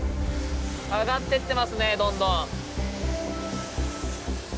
上がってってますねどんどん。